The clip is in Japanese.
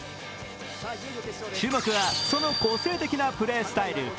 注目は、その個性的なプレースタイル。